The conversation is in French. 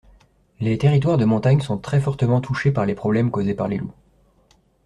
Les territoires de montagne sont très fortement touchés par les problèmes causés par les loups.